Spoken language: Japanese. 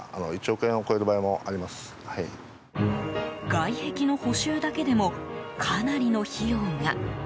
外壁の補修だけでもかなりの費用が。